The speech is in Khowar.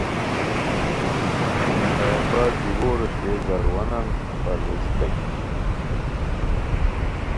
لنگر آباد دیوو روشتئے زاروانان پرویزیتائے